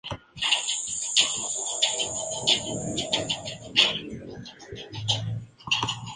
Las preventas del álbum superaron las copias antes de que fuera lanzado.